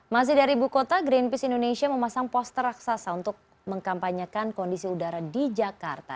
masih dari ibu kota greenpeace indonesia memasang poster raksasa untuk mengkampanyekan kondisi udara di jakarta